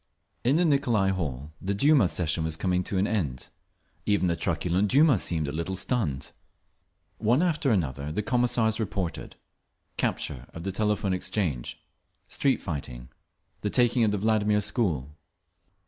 In the Nicolai Hall the Duma session was coming to an end. Even the truculent Duma seemed a little stunned. One after another the Commissars reported—capture of the Telephone Exchange, street fighting, the taking of the Vladimir school….